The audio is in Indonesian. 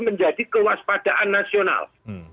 menjadi kewaspadaan nasional